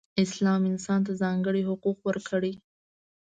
اسلام انسان ته ځانګړې حقوق ورکړئ.